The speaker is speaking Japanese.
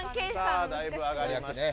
さあだいぶ上がりました。